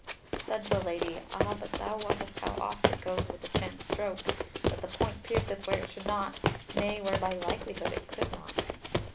Said the Lady: "Ah, but thou wottest how oft it goes with a chance stroke, that the point pierceth where it should not; nay, where by likelihood it could not."